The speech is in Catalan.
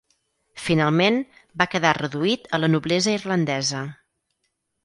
Finalment, va quedar reduït a la noblesa irlandesa.